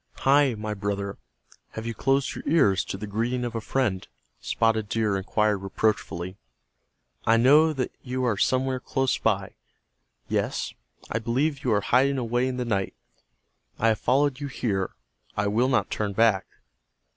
"Hi, my brother, have you closed your ears to the greeting of a friend?" Spotted Deer inquired reproachfully. "I know that you are somewhere close by. Yes, I believe you are hiding away in the night. I have followed you here, and I will not turn back.